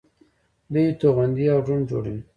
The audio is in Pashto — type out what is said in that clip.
دوی توغندي او ډرون جوړوي.